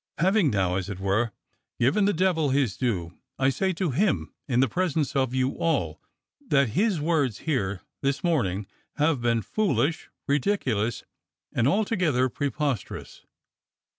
Having now, as it were, given the devil his due, I say to him, in the presence of you all, that his words here this morning have been foolish, ridiculous, and altogether preposterous.